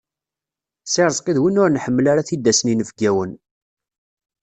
Si Rezqi d win ur nḥemmel ara ad t-id-asen yinebgawen.